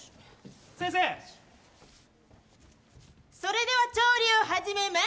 それでは調理を始めます。